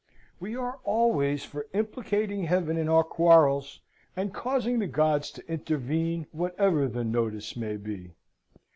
We are always for implicating Heaven in our quarrels, and causing the gods to intervene whatever the nodus may be.